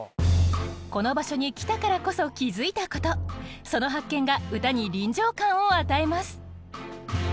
この場所に来たからこそ気付いたことその発見が歌に臨場感を与えます。